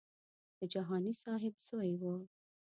د جهاني صاحب زوی و.